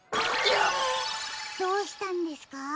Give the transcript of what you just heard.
どうしたんですか？